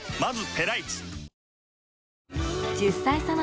まず。